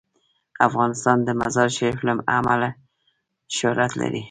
افغانستان د مزارشریف له امله شهرت لري.